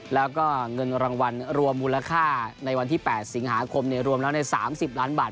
แล้วก็เงินรางวัลรวมมูลค่าในวันที่๘สิงหาคมรวมแล้วใน๓๐ล้านบาท